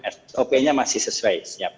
sop nya masih sesuai